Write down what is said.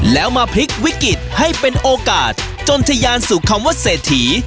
แล้วมาพลิกวิกฤตให้เป็นโอกาสจนทะยานสู่คำว่าเศรษฐี